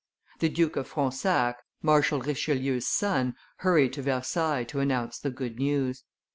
The Duke of Fronsac, Marshal Richelieu's son, hurried to Versailles to announce the good news.